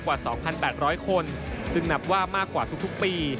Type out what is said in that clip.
กว่า๒๘๐๐คนซึ่งนับว่ามากกว่าทุกปี